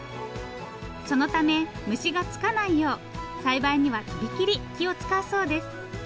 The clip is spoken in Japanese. そのため虫がつかないよう栽培にはとびきり気を遣うそうです。